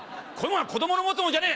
子供の持つもんじゃねえ！」。